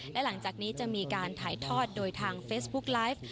และหลังจากนี้จะมีการถ่ายทอดโดยทางเฟซบุ๊กไลฟ์